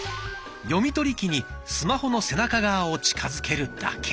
読み取り機にスマホの背中側を近づけるだけ。